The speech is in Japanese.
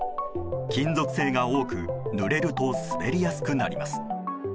金属製が多くぬれると滑りやすくなります。